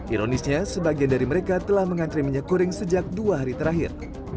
ironisnya sebagian dari mereka telah mengantri minyak goreng sejak dua hari terakhir